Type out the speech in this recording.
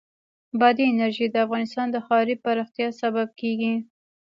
بادي انرژي د افغانستان د ښاري پراختیا سبب کېږي.